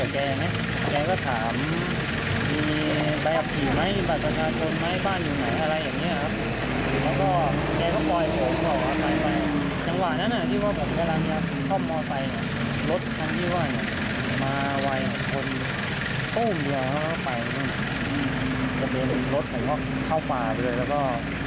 กระเด็นรถเขาก็เข้าป่าไปเลยแล้วก็